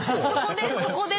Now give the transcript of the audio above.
「そこで」？